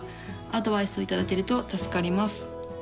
アドバイスを頂けると助かります。